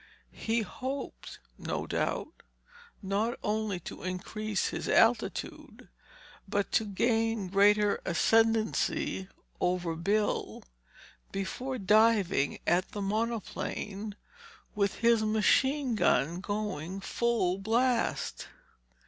He hoped, no doubt, not only to increase his altitude but to gain greater ascendency over Bill before diving at the monoplane with his machine gun going full blast.